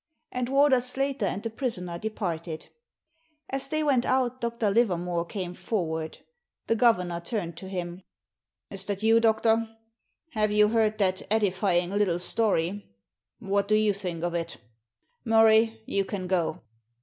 And Warder Slater and the prisoner departed. As they went out Dr. Livermore came forward. The governor turned to him. * Is that you, doctor ? Have you heard that edify Digitized by VjOOQIC THE PHOTOGRAPHS 45 ing little story ? What do you think of it ? Murray, you can go."